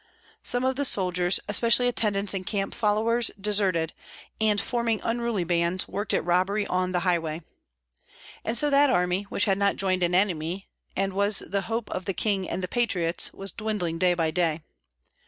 Some of the soldiers, especially attendants and camp followers, deserted, and forming unruly bands, worked at robbery on the highway. And so that army, which had not joined any enemy and was the one hope of the king and the patriots, was dwindling day by day.